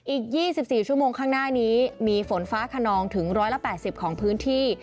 อีก๒๔ชั่วโมงข้างหน้านี้มีฝนฟ้าขนองถึง๑๘๐ของพื้นที่